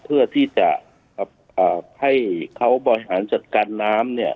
เพื่อที่จะให้เขาบริหารจัดการน้ำเนี่ย